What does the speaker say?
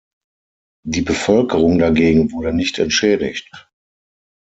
Die Bevölkerung dagegen wurde nicht entschädigt.